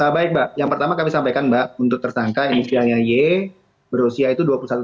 baik mbak yang pertama kami sampaikan mbak untuk tersangka inisialnya y berusia itu dua puluh satu tahun